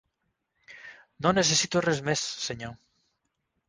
No necessito res més, Senyor.